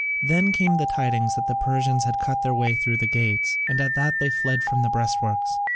Then came the tidings that the Persians had cut their way through to the gates, and at that they fled from the breastworks.